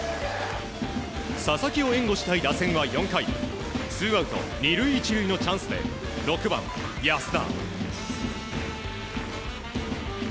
佐々木を援護したい打線は４回ツーアウト２塁１塁のチャンスで６番、安田。